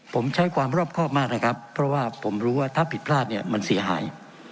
ผมใช้ความรอบครอบมากนะครับเพราะว่าผมรู้ว่าถ้าผิดพลาดเนี่ยมันเสียหาย